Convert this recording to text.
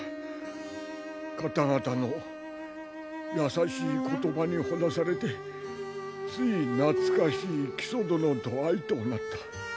方々の優しい言葉にほだされてつい懐かしい木曽殿と会いとうなった。